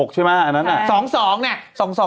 ๖๖๖ใช่ม่ะอันนั้น